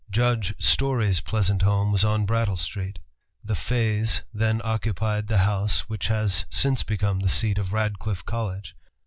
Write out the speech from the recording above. Judge Story's pleasant home was on Brattle Street. The Fays then occupied the house which has since become the seat of Radcliffe College.